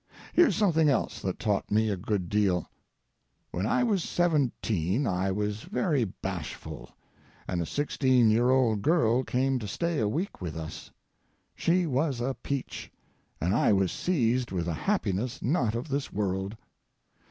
Here's something else that taught me a good deal. When I was seventeen I was very bashful, and a sixteen year old girl came to stay a week with us. She was a peach, and I was seized with a happiness not of this world.